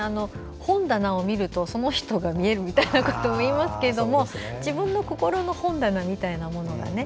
本棚を見ると、その人が見えるということも言いますが自分の心の本棚みたいなものがね。